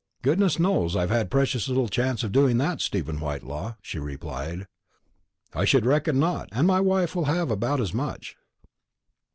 "Goodness knows I've had precious little chance of doing that, Stephen Whitelaw," she replied. "I should reckon not; and my wife will have about as much."